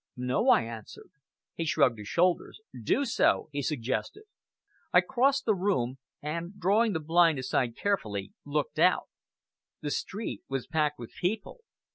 "No!" I answered. He shrugged his shoulders. "Do so!" he suggested. I crossed the room, and, drawing the blind aside carefully, looked out. The street was packed with people!